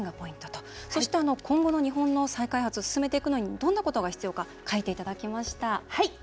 そして、今後の日本の再開発を進めていくのにどんなことが必要か書いていただきました。